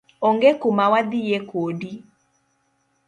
Onge kumawadhie kodi.